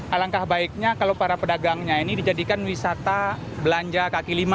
alangkah baiknya kalau para pedagangnya ini dijadikan wisata belanja kaki lima